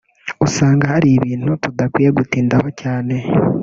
usanga hari ibintu tudakwiye gutindaho cyane